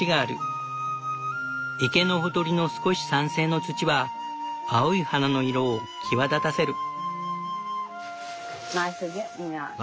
池のほとりの少し酸性の土は青い花の色を際立たせる。